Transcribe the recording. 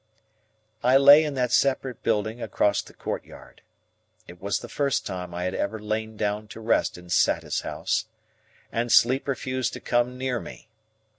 I lay in that separate building across the courtyard. It was the first time I had ever lain down to rest in Satis House, and sleep refused to come near me.